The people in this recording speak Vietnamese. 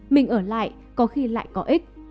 mình ở lại có khi lại có ích